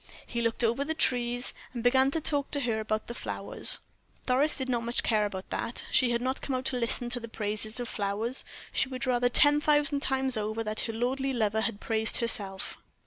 He looked over the trees, and began to talk to her about the flowers. Doris did not much care about that she had not come out to listen to the praises of flowers; she would rather ten thousand times over that her lordly lover had praised herself.